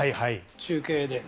中継で。